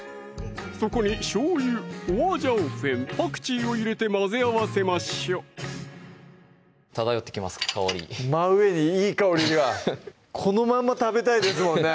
そこにしょうゆ・花椒粉・パクチーを入れて混ぜ合わせましょう漂ってきますか香り真上にいい香りがこのまんま食べたいですもんね